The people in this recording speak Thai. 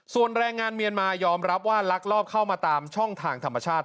ส่วนแรงงานเมียนมายอมรับว่าลักลอบเข้ามาตามช่องทางธรรมชาติ